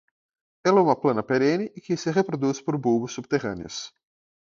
Ela é uma planta perene e que se reproduz por bulbos subterrâneos.